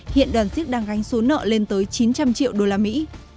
hiện đoàn siếc đang gánh số nợ lên tới chín trăm linh triệu đô la mỹ